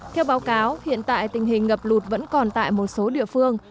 theo báo cáo hiện tại tình hình ngập lụt vẫn còn tại một số địa phương